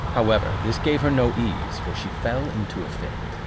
However, this gave her no ease, for she fell into a fit.